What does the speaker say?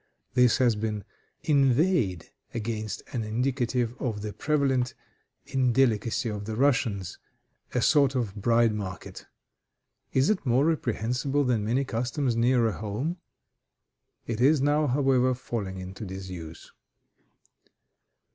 This has been inveighed against as indicative of the prevalent indelicacy of the Russians, a sort of bride market. Is it more reprehensible than many customs nearer home? It is now, however, falling into disuse.